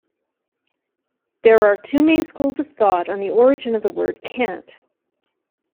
There are two main schools of thought on the origin of the word "cant".